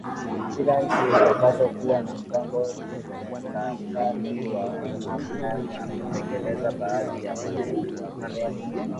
Kila nchi itapaswa kuwa na mpango mkakati wa namna ya kutekeleza baadhi ya malengo